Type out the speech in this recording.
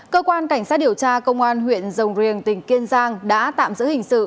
cơ quan cảnh sát điều tra công an huyện rồng riềng tỉnh kiên giang đã tạm giữ hình sự